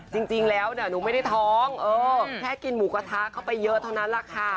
จริงแล้วเนี่ยหนูไม่ได้ท้องแค่กินหมูกระทะเข้าไปเยอะเท่านั้นแหละค่ะ